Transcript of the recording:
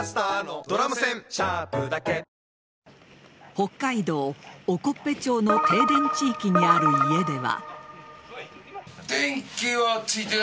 北海道興部町の停電地域にある家では。